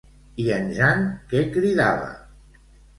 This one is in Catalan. I en Jan, què cridava?